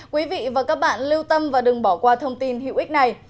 quý vị và các bạn lưu tâm và đừng bỏ qua thông tin hữu ích này